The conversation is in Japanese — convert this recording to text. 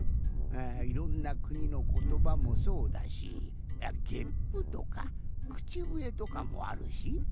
いろんなくにのことばもそうだしゲップとかくちぶえとかもあるし。